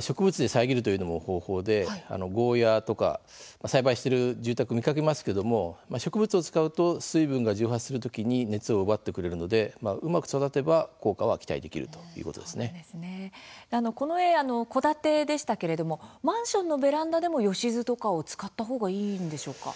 植物で遮るというのも方法でゴーヤーとか栽培している住宅見かけますけれども植物を使うと水分が蒸発するときに熱を奪ってくれるのでうまく育てば効果は期待できるこの絵戸建てでしたけれどもマンションのベランダでもよしずとかを使ったほうがいいんでしょうか？